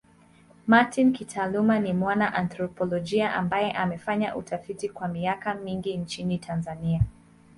Martin kitaaluma ni mwana anthropolojia ambaye amefanya utafiti kwa miaka mingi nchini Tanzania.